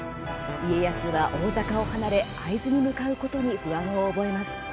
家康は、大坂を離れ会津に向かうことに不安を覚えます。